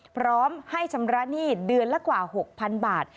พร้อมให้ชำระหนี้เดือนละกว่า๖๐๐๐บาท